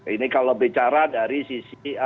ini kalau bicara dari sisi